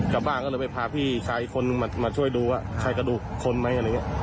กลับบ้านก็เลยไปพาพี่อีกชายคนมาช่วยดูว่าใครกระดูกคนไหม